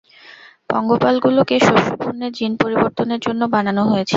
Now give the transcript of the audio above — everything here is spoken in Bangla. পঙ্গপালগুলোকে শস্যপণ্যের জিন পরিবর্তনের জন্য বানানো হয়েছিল।